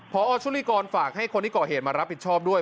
พอสุริกรฝากให้คนที่ก่อเหตุมารับผิดชอบด้วย